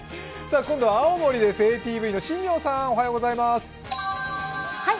今度は青森です、ＡＴＶの新名さん、おはようございます。